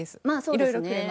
まあそうですね。